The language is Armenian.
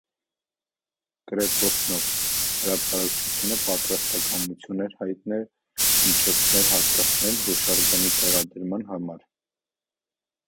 «Կրեպոստնով» հրատարակչությունը պատրաստակամություն էր հայտնել միջոցներ հատկացնել հուշարձանի տեղադրման համար։